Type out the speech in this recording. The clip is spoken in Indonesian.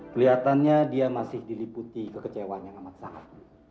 kelihatannya dia masih diliputi kekecewaan yang amat sangat